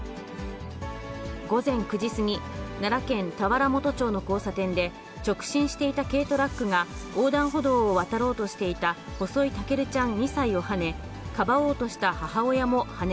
午前９時過ぎ、奈良県田原本町の交差点で、直進していた軽トラックが、横断歩道を渡ろうとしていた細井丈瑠ちゃん２歳をはね、かばおう